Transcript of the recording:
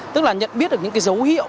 tức là nhận biết được những dấu hiệu